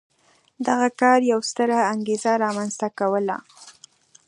دغه کار یوه ستره انګېزه رامنځته کوله.